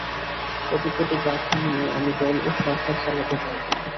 পদে পদে বাধা নিয়ে আমি দল ও সরকার চালাতে পারব না।